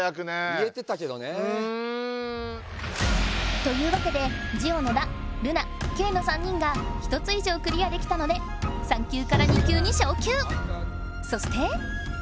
言えてたけどね。というわけでジオ野田ルナケイの３人が１つ以上クリアできたのでそして。